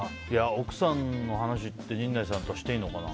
奥さんの話って陣内さんとしていいのかな。